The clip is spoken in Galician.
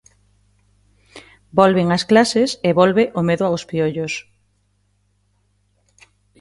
Volven as clases e volve o medo aos piollos.